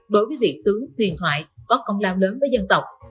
đối với vị tướng huyền thoại có công lao lớn với dân tộc